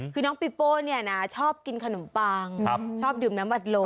คือพี่บีโป้เนี่ยนะชอบกินขนมปังครับชอบดื่มน้ำหวัดลง